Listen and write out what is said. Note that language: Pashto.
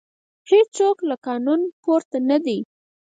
هیڅوک له قانون پورته نه دی